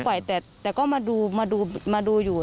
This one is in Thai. ก็ปล่อยแต่ก็มาดูอยู่